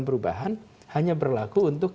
perubahan hanya berlaku untuk